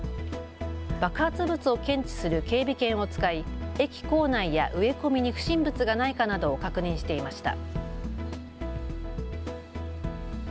爆発物を検知する警備犬を使い駅構内や植え込みに不審物がないかなどを確認していました。